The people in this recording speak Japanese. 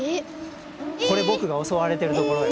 これ僕が襲われてるところよ。